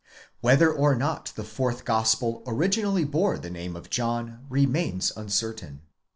Whether or not the fourth Gospel originally bore the name of John remains uncertain.